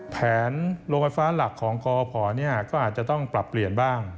แผนโรงไฟฟ้าหลักของกพก็อาจจะต้องปรับเปลี่ยนบ้าง